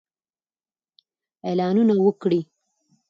اعلانونه وکړئ.